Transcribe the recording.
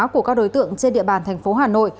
của các đối tượng trên địa bàn thành phố hà nội